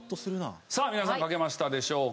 さあ皆さん書けましたでしょうか？